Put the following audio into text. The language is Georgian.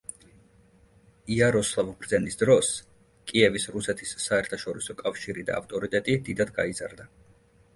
იაროსლავ ბრძენის დროს კიევის რუსეთის საერთაშორისო კავშირი და ავტორიტეტი დიდად გაიზარდა.